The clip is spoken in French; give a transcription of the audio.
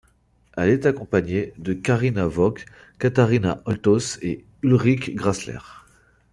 Elle est accompagnée de Carina Vogt, Katharina Althaus et Ulrike Grässler.